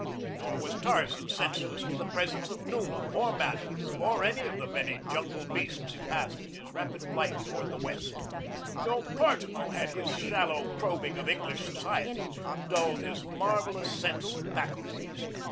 Nor was Tarzan senseless to the presence of Numa or Manu or any of the many jungle beasts he passed in his rapid flight towards the west. No particle had his shallow probing of English society dulled his marvelous sense faculties.